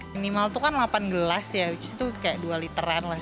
minimal itu kan delapan gelas ya itu kayak dua literan lah